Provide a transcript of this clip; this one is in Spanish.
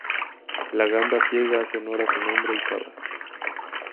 La "gamba ciega" hace honor a su nombre, y cava.